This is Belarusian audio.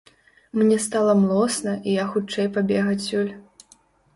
Мне стала млосна і я хутчэй пабег адсюль.